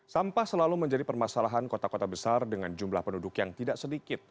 sampah selalu menjadi permasalahan kota kota besar dengan jumlah penduduk yang tidak sedikit